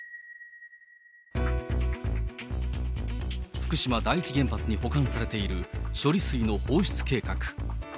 福島第一原発に保管されている処理水の放出計画。